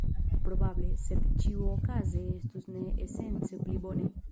Probable, sed ĉiuokaze estus ne esence pli bone.